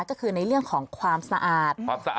ก็คือในเรื่องของความสะอาด